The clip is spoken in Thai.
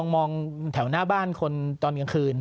มองแถวหน้าบ้านคนตอนกลางคืน